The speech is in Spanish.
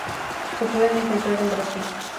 Se pueden encontrar en Brasil.